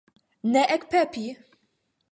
Ne ekpepi!